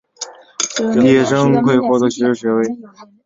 毕业学生可以被授予与普通大学相同的学士或硕士或博士学位。